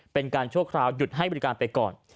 เป็นการชั่วคราวหยุดให้บริการไปก่อน